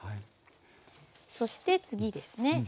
そして次ですね。